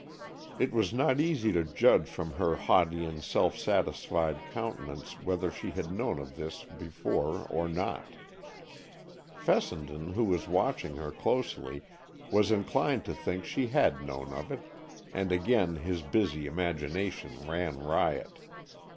It was not easy to judge from her haughty and self satisfied countenance whether she had known of this before or not. Fessenden, who was watching her closely, was inclined to think she had known of it, and again his busy imagination ran riot.